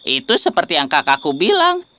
itu seperti yang kakakku bilang